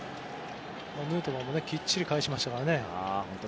ヌートバーもきっちり返しましたからね。